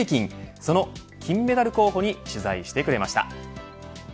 その金メダル候補に取材してくれました。